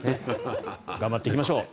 頑張っていきましょう。